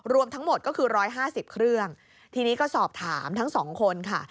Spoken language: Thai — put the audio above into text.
รวมทั้งหมดก็คือ๑๕๐เครื่องทีนี้ก็สอบถามทั้งสองคนค่ะ